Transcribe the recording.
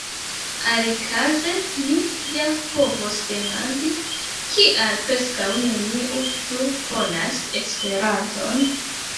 Alikaze mi ja povos demandi: kial preskaŭ neniu plu konas Esperanton?